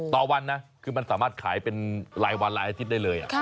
ต่อวันนะคือมันสามารถขายเป็นรายวันรายอาทิตย์ได้เลย